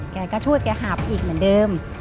แกก็ช่วยแกหาบอีกเหมือนเดิม